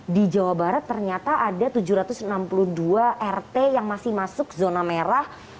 di jawa barat ternyata ada tujuh ratus enam puluh dua rt yang masih masuk zona merah